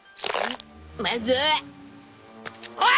おい。